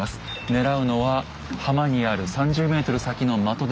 狙うのは浜にある３０ｍ先の的です。